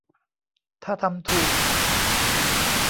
ถ้าทำถูก